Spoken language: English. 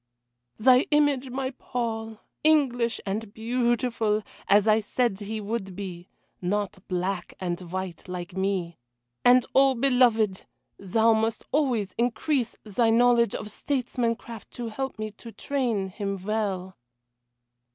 "Thy image, my Paul! English and beautiful, as I said he would be not black and white like me. And oh! beloved, thou must always increase thy knowledge of statesmancraft to help me to train him well."